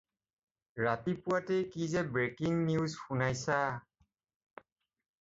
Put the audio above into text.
ৰাতিপুৱাতেই কি যে breaking news শুনাইছা।